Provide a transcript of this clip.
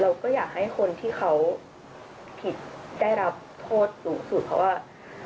เราก็อยากให้คนที่เขาผิดได้รับโทษสูงสุดเพราะว่า